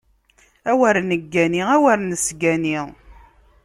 Awer neggani, awer nesgani!